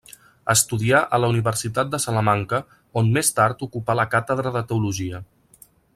Estudià a la Universitat de Salamanca on més tard ocupà la càtedra de teologia.